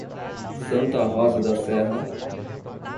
Santa Rosa da Serra